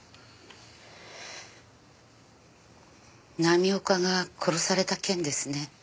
浪岡が殺された件ですね。